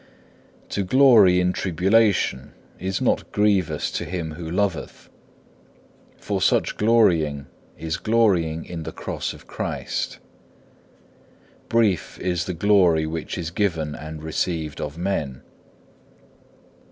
2. To glory in tribulation is not grievous to him who loveth; for such glorying is glorying in the Cross of Christ. Brief is the glory which is given and received of men.